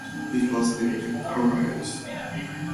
It was named "copperhead".